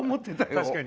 確かに。